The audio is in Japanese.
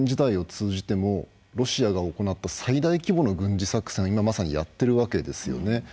ロシアが行った最大規模の軍事作戦を今まさにやってるわけですよね。